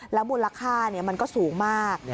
แล้วมูลค่าเนี่ยมันก็สูงมาก